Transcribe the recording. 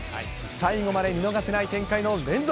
最後まで見逃せない展開の連続。